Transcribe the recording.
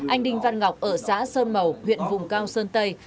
anh đinh văn ngọc ở xã sơn màu huyện vùng cao sơn tây